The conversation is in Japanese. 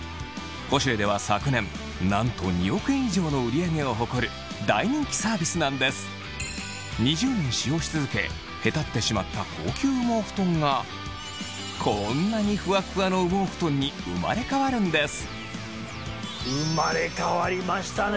『ポシュレ』では昨年なんと２億円以上の売り上げを誇る大人気サービスなんです２０年使用し続けへたってしまった高級羽毛ふとんがこんなにフワッフワの羽毛ふとんに生まれ変わるんです生まれ変わりましたね